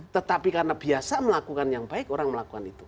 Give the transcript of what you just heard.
tetapi karena biasa melakukan yang baik orang melakukan itu